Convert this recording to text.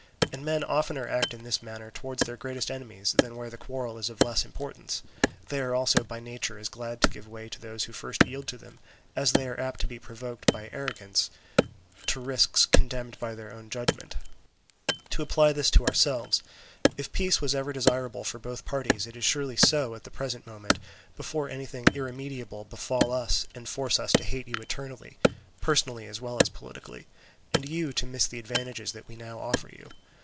And men oftener act in this manner towards their greatest enemies than where the quarrel is of less importance; they are also by nature as glad to give way to those who first yield to them, as they are apt to be provoked by arrogance to risks condemned by their own judgment. "To apply this to ourselves: if peace was ever desirable for both parties, it is surely so at the present moment, before anything irremediable befall us and force us to hate you eternally, personally as well as politically, and you to miss the advantages that we now offer you.